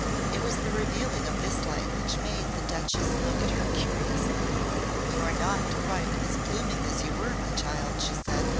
It was the revealing of this light which made the Duchess look at her curiously. "You are not quite as blooming as you were, my child," she said.